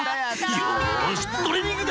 よしトレーニングだ！